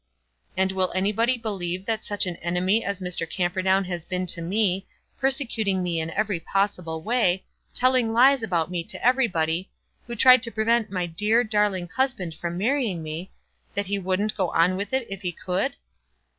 And will anybody believe that such an enemy as Mr. Camperdown has been to me, persecuting me in every possible way, telling lies about me to everybody, who tried to prevent my dear, darling husband from marrying me, that he wouldn't go on with it if he could?"